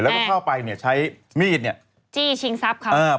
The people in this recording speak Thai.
แล้วก็เข้าไปเนี้ยใช้มีดเนี้ยจี้ชิงสับครับ